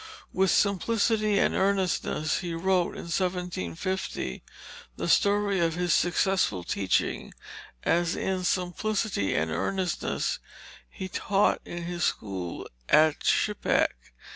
With simplicity and earnestness he wrote in 1750 the story of his successful teaching, as in simplicity and earnestness he had taught in his school at Shippack.